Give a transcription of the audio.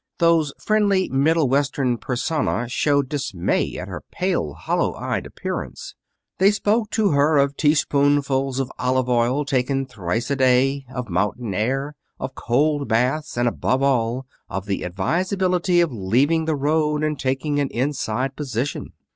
Those friendly Middle Western persona showed dismay at her pale, hollow eyed appearance. They spoke to her of teaspoonfuls of olive oil taken thrice a day, of mountain air, of cold baths, and, above all, of the advisability of leaving the road and taking an inside position.